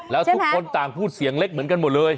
แล้วทุกคนต่างพูดเสียงเล็กเหมือนกันหมดเลย